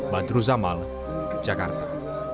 bandru zamal jakarta